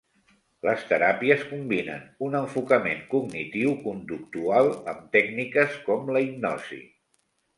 Les teràpies combinen un enfocament cognitiu conductual amb tècniques com la hipnosi.